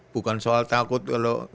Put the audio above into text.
bukan soal takut kalau